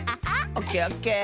オッケーオッケー！